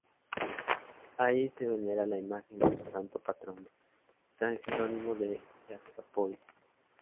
Allí se venera la imagen de su santo patrono, San Gerónimo de Yaxcopoil.